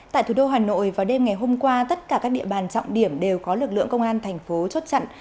tại thủ đô hà nội vào đêm ngày hôm qua tất cả các địa bàn trọng điểm đều có lực lượng công an thành phố chốt chặn